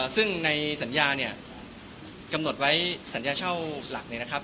ซึ่งในสัญญาเนี่ยกำหนดไว้สัญญาเช่าหลักเนี่ยนะครับ